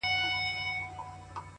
نو خود به اوس ورځي په وينو رنگه ككــرۍ.